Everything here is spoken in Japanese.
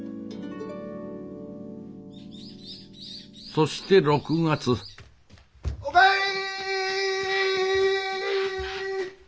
そして６月お帰り！